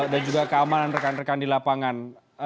dan juga keamanan rekan rekan di lapangan